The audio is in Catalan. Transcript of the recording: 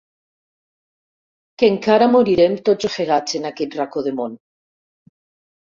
Que encara morirem tots ofegats en aquest racó de món.